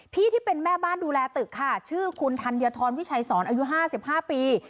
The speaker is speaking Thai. พี่ที่เป็นแม่บ้านดูแลตึกค่ะชื่อคุณทันเดียทรวิชัยศรอายุ๕๕ปี